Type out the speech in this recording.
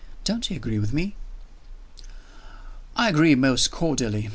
Don't you agree with me?" "I agree most cordially.